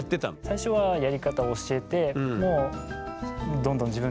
最初はやり方を教えてもうどんどん自分で進化していって。